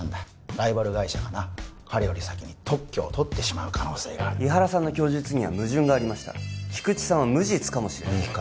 ライバル会社が彼より先に特許を取ってしまう可能性がある井原さんの供述には矛盾があった菊池さんは無実かもしれないいいか？